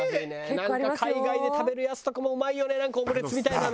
なんか海外で食べるやつとかもうまいよねなんかオムレツみたいなの。